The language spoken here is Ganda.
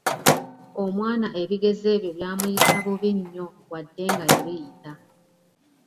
Omwana ebigezo ebyo byamuyisa bubi nnyo wadde nga yabiyita.